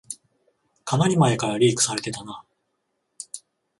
かなり前からリークされてたな